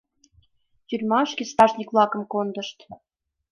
Тюрьмашке стражник-влакым кондышт.